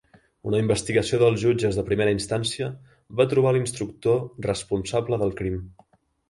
Una investigació dels jutges de primera instància va trobar l'instructor responsable del crim.